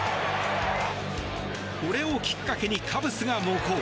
これをきっかけにカブスが猛攻。